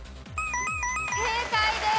正解です。